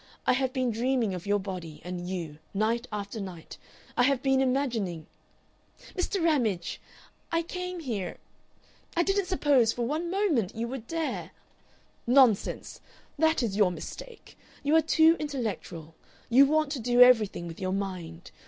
I have been dreaming of your body and you night after night. I have been imaging " "Mr. Ramage, I came here I didn't suppose for one moment you would dare " "Nonsense! That is your mistake! You are too intellectual. You want to do everything with your mind.